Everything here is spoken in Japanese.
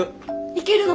いけるの？